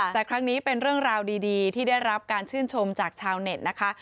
แต่ครั้งนี้เป็นเรื่องราวดีที่ได้รับการชื่นชมจากชาวเน็ตนะคะ